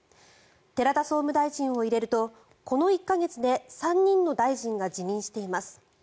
寺田総務大臣を入れるとこの１か月で３人の大臣が辞任しています。